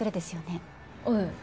ええ。